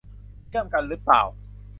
เชื่อมกันรึเปล่า